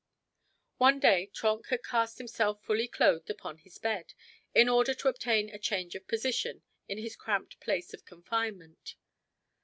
One day Trenck had cast himself fully clothed upon his bed, in order to obtain a change of position in his cramped place of confinement.